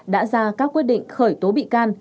đã ra các quyết định khởi tố bị can